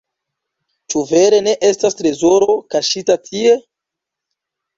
Ĉu vere ne estas trezoro, kaŝita tie?